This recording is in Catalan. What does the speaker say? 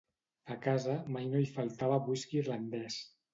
A casa mai no hi faltava whisky irlandès.